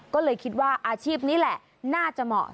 ก็เลยคิดว่าอาชีพนี้แหละน่าจะเหมาะ